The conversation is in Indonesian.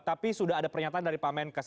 tapi sudah ada pernyataan dari pak menkes